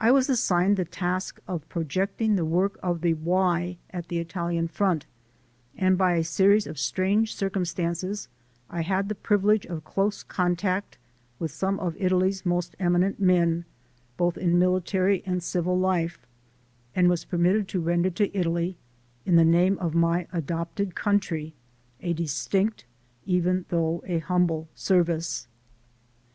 I was assigned the task of projecting the work of the "Y" at the Italian front, and by a series of strange circumstances I had the privilege of close contact with some of Italy's most eminent men, both in military and civil life, and was permitted to render to Italy, in the name of my adopted country, a distinct, even though a humble, service.